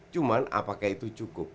cuman apakah itu cukup